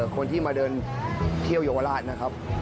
คนที่มาเดินเที่ยวเยาวราชนะครับ